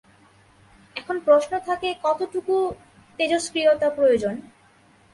এখন প্রশ্ন থাকে কতটুকু তেজষ্ক্রিয়তা প্রয়োজন?